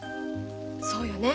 そうよね。